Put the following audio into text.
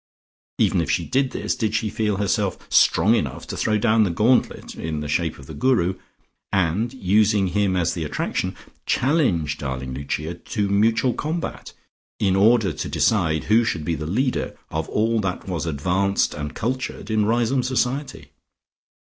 Even if she did this, did she feel herself strong enough to throw down the gauntlet (in the shape of the Guru) and, using him as the attraction, challenge darling Lucia to mutual combat, in order to decide who should be the leader of all that was advanced and cultured in Riseholme society?